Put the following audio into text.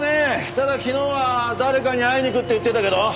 ただ昨日は誰かに会いに行くって言ってたけど。